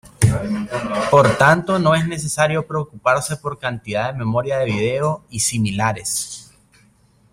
Por tanto no es necesario preocuparse por cantidad de memoria de video y similares.